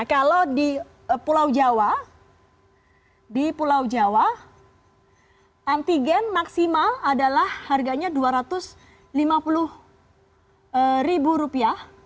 kalau di pulau jawa antigen maksimal adalah harganya dua ratus lima puluh ribu rupiah